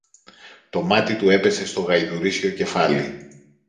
Το μάτι του έπεσε στο γαϊδουρίσιο κεφάλι.